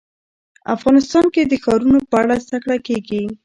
افغانستان کې د ښارونه په اړه زده کړه کېږي.